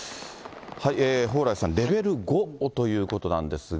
蓬莱さん、レベル５ということなんですが。